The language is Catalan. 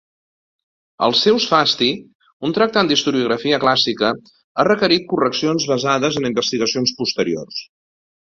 Els seus "Fasti", un tractat d'historiografia clàssica, ha requerit correccions basades en investigacions posteriors.